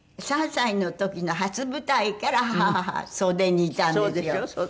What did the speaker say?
３歳の時の初舞台から母は袖にいたんですよ。